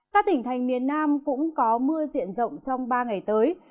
các tỉnh thành miền nam cũng có mưa diện rộng trong ba ngày tới